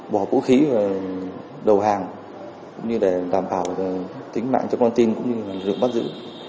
bỏ vũ khí đầu hàng cũng như để đảm bảo tính mạng cho con tin cũng như lực bắt giữ